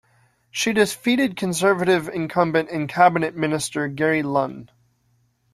She defeated Conservative Incumbent and cabinet minister Gary Lunn.